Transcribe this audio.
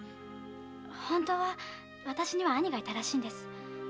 本当は私には兄がいたらしいんです。